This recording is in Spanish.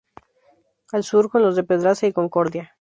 Al sur, con los de Pedraza y Concordia.